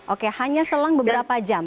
oke hanya selang beberapa jam